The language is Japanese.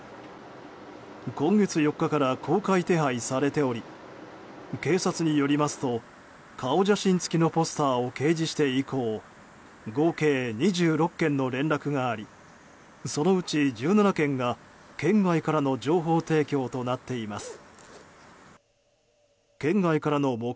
今月４日から公開手配されており警察によりますと顔写真付きのポスターを掲示して以降合計２６件の連絡がありそのうち１７件が、県外からの情報提供となっています。